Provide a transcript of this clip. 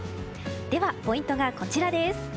ではポイントがこちら。